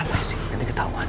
gimana sih nanti ketahuan